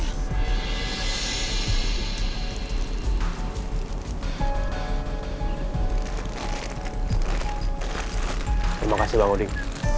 terima kasih bang odeng